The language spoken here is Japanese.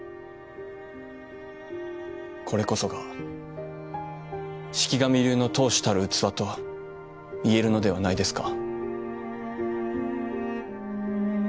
これこそが四鬼神流の当主たる器といえるのではないですか。